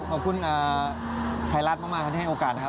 ขอบคุณไทยรัฐมากที่ให้โอกาสนะครับ